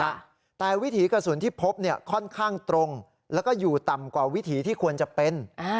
แต่วิถีกระสุนที่พบเนี่ยค่อนข้างตรงแล้วก็อยู่ต่ำกว่าวิถีที่ควรจะเป็น